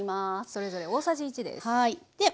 それぞれ大さじ１です。